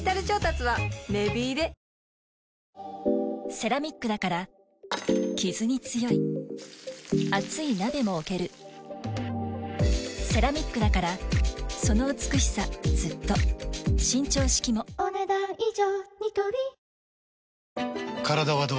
セラミックだからキズに強い熱い鍋も置けるセラミックだからその美しさずっと伸長式もお、ねだん以上。